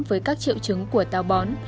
với các triệu chứng của tào bón